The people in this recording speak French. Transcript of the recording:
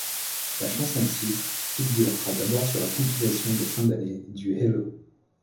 La chanson-titre figurera d'abord sur la compilation de fin d'année du Hello!